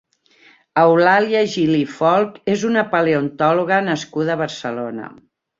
Eulàlia Gili Folch és una paleontòloga nascuda a Barcelona.